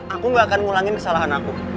aku gak akan ngulangin kesalahan aku